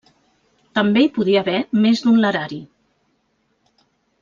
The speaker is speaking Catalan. També hi podia haver més d'un larari.